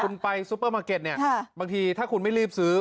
คุณไปซูเปอร์มาร์เก็ตเนี่ยบางทีถ้าคุณไม่รีบซื้อ